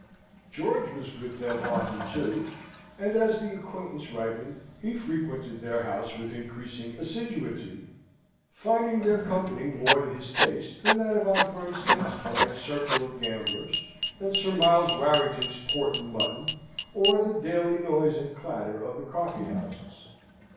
George was with them often, too; and, as the acquaintance ripened, he frequented their house with increasing assiduity, finding their company more to his taste than that of Aunt Bernstein's polite circle of gamblers, than Sir Miles Warrington's port and mutton, or the daily noise and clatter of the coffee houses.